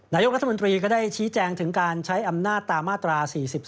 นายกรัฐมนตรีก็ได้ชี้แจงถึงการใช้อำนาจตามมาตรา๔๔